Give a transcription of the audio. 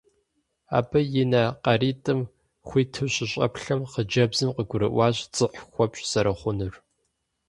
Абы и нэ къаритӀым хуиту щыщӀэплъэм, хъыджэбзым къыгурыӀуащ дзыхь хуэпщӀ зэрыхъунур.